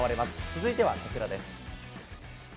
続いてはこちらです。